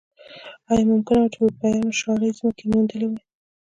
ایا ممکنه وه چې اروپایانو شاړې ځمکې موندلی وای.